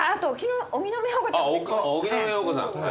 荻野目洋子さん。